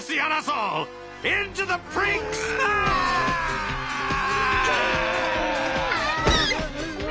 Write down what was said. うわ！